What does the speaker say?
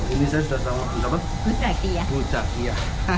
ini saya sudah sama dengan bukakia